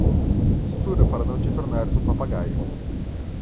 Estuda para não te tornares um papagaio.